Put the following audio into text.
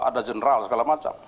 ada general segala macam